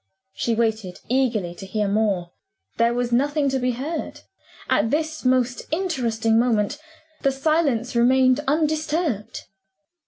She waited eagerly to hear more. There was nothing to be heard. At this most interesting moment, the silence remained undisturbed.